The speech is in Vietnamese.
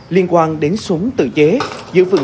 liên quan đến súng tự chế giữ vững an ninh trật tự ở địa phương